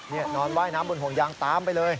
นี่นอนว่ายน้ำบนห่วงยางตามไปเลย